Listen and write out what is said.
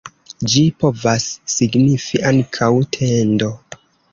Ĝi povas signifi ankaŭ "tendo".